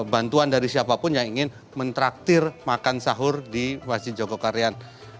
bantuan dari siapapun yang ingin mentraktir makan sahur di masjid jogokarian